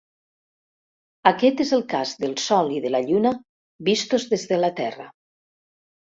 Aquest és el cas del Sol i de la Lluna vistos des de la Terra.